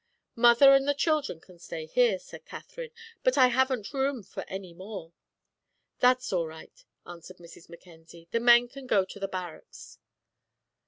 "Mother and the children can stay here," said Katherine; "but I haven't room for any more." "That's all right," answered Mrs. Mackenzie. "The men can go to the barracks."